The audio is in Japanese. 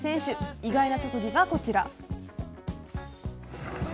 意外な特技がこちら。